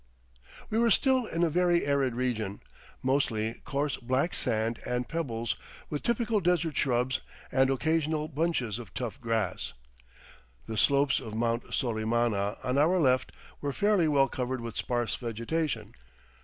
We were still in a very arid region; mostly coarse black sand and pebbles, with typical desert shrubs and occasional bunches of tough grass. The slopes of Mt. Solimana on our left were fairly well covered with sparse vegetation.